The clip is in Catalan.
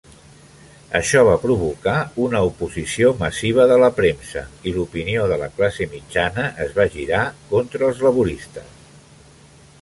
Això va provocar una oposició massiva de la premsa i l'opinió de la classe mitjana es va girar contra els laboristes.